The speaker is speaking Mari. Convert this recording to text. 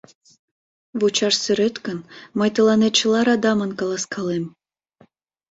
Вучаш сӧрет гын, мый тыланет чыла радамын каласкалем.